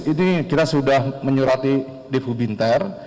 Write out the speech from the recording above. ini kita sudah menyurati divu binter